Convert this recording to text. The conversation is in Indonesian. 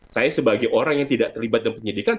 saya sebagai orang yang tidak terlibat dalam penyidikan